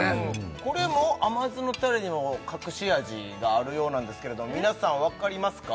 これも甘酢のタレにも隠し味があるようなんですけれど皆さんわかりますか？